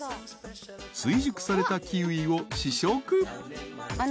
［追熟されたキウイを試食］